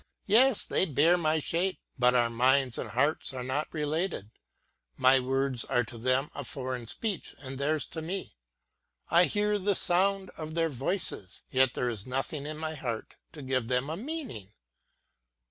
Yes, they bear my shape, but our minds and hearts are not related; my words are to them a foreign speech, and theirs to me : I hear the sound of their voices, but there is nothing in my heart to give them a meaning